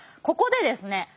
ここでですね